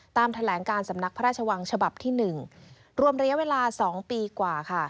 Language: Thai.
แถลงการสำนักพระราชวังฉบับที่๑รวมระยะเวลา๒ปีกว่าค่ะ